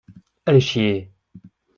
Allez chier !